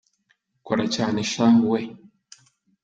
kora cyane shahu we